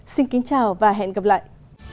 xin kính chào và hẹn gặp lại